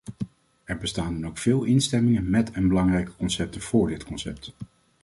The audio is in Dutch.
Er bestaat dan ook veel instemming met en belangstelling voor dit concept.